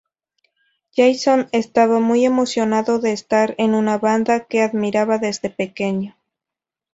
Jason estaba muy emocionado de estar en una banda que admiraba desde pequeño.